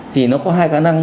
thì nó có hai khả năng